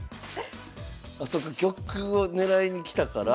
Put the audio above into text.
そっか玉を狙いに来たから。